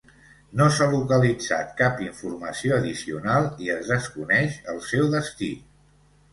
No s'ha localitzat cap informació addicional i es desconeix el seu destí.